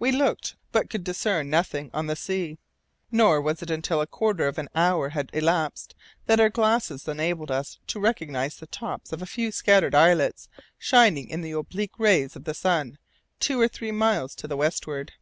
We looked, but could discern nothing on the sea, nor was it until a quarter of an hour had elapsed that our glasses enabled us to recognize the tops of a few scattered islets shining in the oblique rays of the sun, two or three miles to the westward.